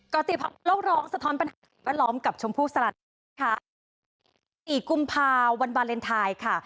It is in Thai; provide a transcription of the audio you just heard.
กรติภาพโลกร้องสะท้อนปัญหาแวดล้อมกับชมพูสลัดค่ะสี่กุมภาวันวาเลนไทยค่ะ